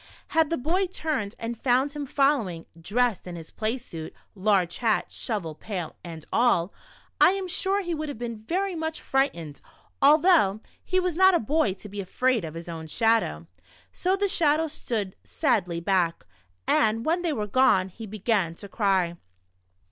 Had the boy turned and found him following, dressed in his play suit, large hat, shovel, pail, and all, I am sure he would have been very much frightened, although he was not a boy to be " afraid of his own shadow." So the Shadow stood sadly back, and when they were gone, he began to cry.